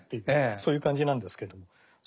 そういう感じなんですけど。